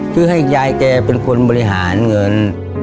คือให้ยายแกเป็นคนบริหารเงิน